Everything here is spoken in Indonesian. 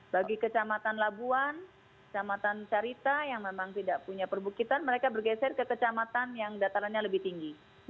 bagi kecamatan labuan kecamatan carita yang memang tidak punya perbukitan mereka bergeser ke kecamatan yang datarannya lebih tinggi